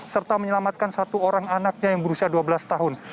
serta menyelamatkan satu orang anaknya yang berusia dua belas tahun